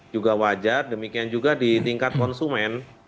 juga wajar demikian juga di tingkat konsumen